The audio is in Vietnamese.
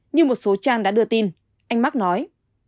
như một số trang đã đưa tin anh mắc nói